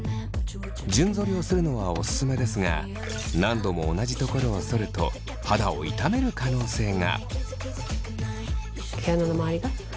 順ぞりをするのはおすすめですが何度も同じところをそると肌を痛める可能性が。